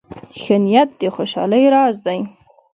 ښه نیت د خوشحالۍ راز دی.